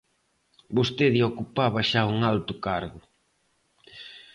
Vostede ocupaba xa un alto cargo.